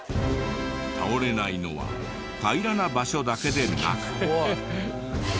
倒れないのは平らな場所だけでなく。